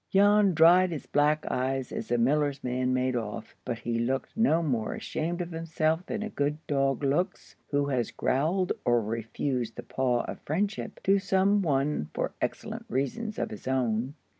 Jan dried his black eyes as the miller's man made off, but he looked no more ashamed of himself than a good dog looks who has growled or refused the paw of friendship to some one for excellent reasons of his own.